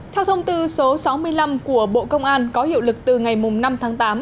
theo thông tư số sáu mươi năm của bộ công an có hiệu lực từ ngày năm tháng tám